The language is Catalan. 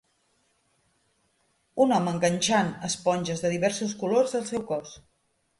Un home enganxant esponges de diversos colors al seu cos.